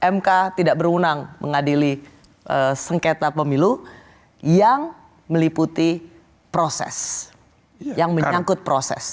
mk tidak berwenang mengadili sengketa pemilu yang meliputi proses yang menyangkut proses